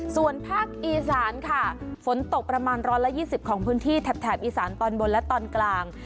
ส่วนภาคอีสานค่ะฝนตกประมาณ๑๒๐ของพื้นที่แถบอีสานตอนบนและตอนกลาง